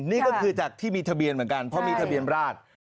นี่ก็คือจากที่มีทะเบียนเหมือนกันเพราะมีทะเบียนราช